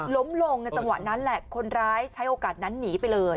ล้มลงในจังหวะนั้นแหละคนร้ายใช้โอกาสนั้นหนีไปเลย